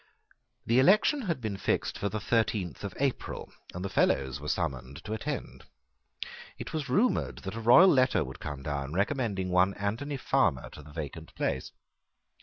The election had been fixed for the thirteenth of April, and the Fellows were summoned to attend. It was rumoured that a royal letter would come down recommending one Anthony Farmer to the vacant place.